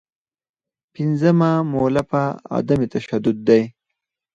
پنځمه مولفه عدم تشدد دی.